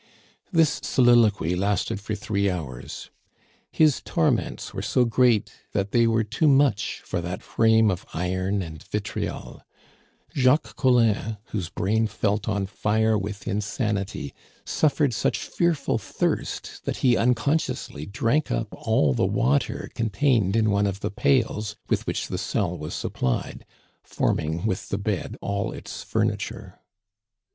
This soliloquy lasted for three hours. His torments were so great that they were too much for that frame of iron and vitriol; Jacques Collin, whose brain felt on fire with insanity, suffered such fearful thirst that he unconsciously drank up all the water contained in one of the pails with which the cell was supplied, forming, with the bed, all its furniture.